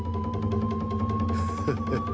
フフフフ。